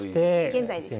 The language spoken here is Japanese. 現在ですかね。